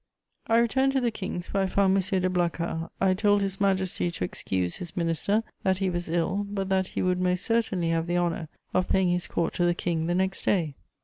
I returned to the King's, where I found M. de Blacas. I told His Majesty, to excuse his minister, that he was ill, but that he would most certainly have the honour of paying his court to the King the next day.